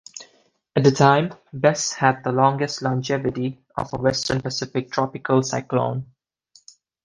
At the time, Bess had the longest longevity of a Western Pacific tropical cyclone.